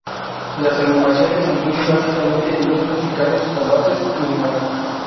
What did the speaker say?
Las animaciones incluyen básicamente vídeos musicales, combates y humor.